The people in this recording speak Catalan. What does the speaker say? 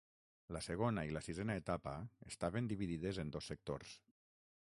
La segona i la sisena etapa estaven dividides en dos sectors.